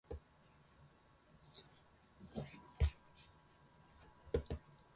The port facilities at Basra were inadequate.